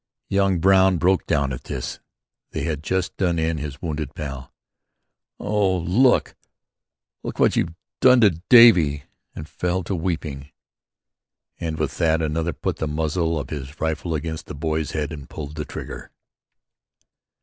Young Brown broke down at this they had just done in his wounded pal: "Oh, look! Look what they've done to Davie," and fell to weeping. And with that another put the muzzle of his rifle against the boy's head and pulled the trigger.